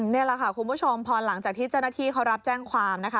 นี่แหละค่ะคุณผู้ชมพอหลังจากที่เจ้าหน้าที่เขารับแจ้งความนะคะ